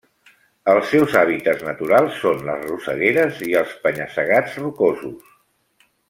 Els seus hàbitats naturals són les rossegueres i els penya-segats rocosos.